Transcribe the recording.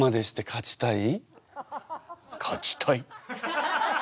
勝ちたい。